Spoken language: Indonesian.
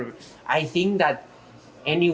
dan ini adalah masalahnya